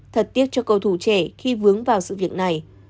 thật tiếc cho cầu thủ trẻ khi vướng vào sự việc này